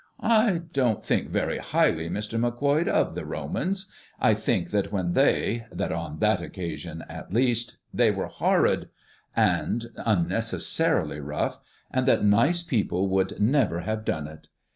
"I don't think very highly, Mr. Macquoid, of the Romans. I think that when they that on that occasion at least they were horrid, and and unnecessarily rough, and that nice people would never have done it.